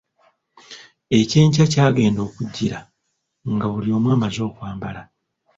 Ekyenkya kyagenda okujjira nga buli omu amazze okwambala.